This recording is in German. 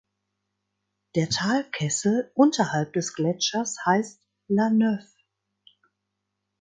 Der Talkessel unterhalb des Gletschers heisst "L’A Neuve".